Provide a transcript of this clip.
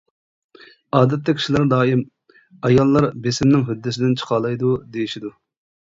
ئادەتتە كىشىلەر دائىم: «ئاياللار بېسىمنىڭ ھۆددىسىدىن چىقالايدۇ» دېيىشىدۇ.